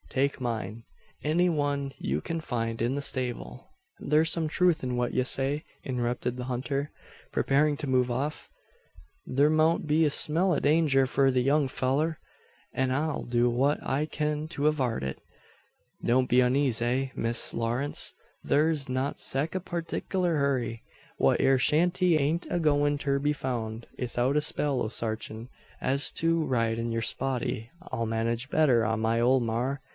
Take mine any one you can find in the stable " "Thur's some truth in what ye say," interrupted the hunter, preparing to move off. "Thur mout be a smell o' danger for the young fellur; an I'll do what I kin to avart it. Don't be uneezay, Miss Lewaze. Thur's not sech a partickler hurry. Thet ere shanty ain't agoin' ter be foun' 'ithout a spell o' sarchin'. As to ridin' yur spotty I'll manage better on my ole maar.